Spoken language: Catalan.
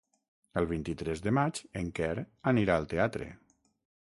El vint-i-tres de maig en Quer anirà al teatre.